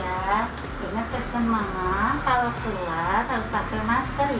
karena pesan mama kalau keluar harus pakai masker ya